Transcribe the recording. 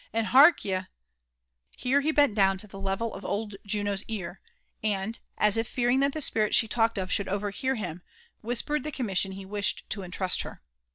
And harkye " Here he bent down to^ the level of old Juno's ear, and, as if fearing that the spirits she talked of should overhear him, whispered the com mission he wished to entrust to her.